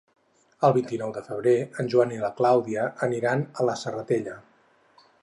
El vint-i-nou de febrer en Joan i na Clàudia aniran a la Serratella.